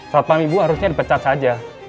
satpam ibu harusnya dipecat saja